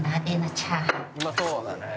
うまそうだね。